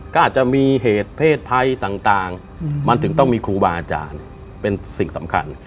ก็อาจจะมีเหตุเพศภัยต่างมันถึงต้องมีครูบาอาจารย์เป็นสิ่งสำคัญ